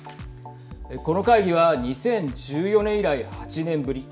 この会議は２０１４年以来８年ぶり。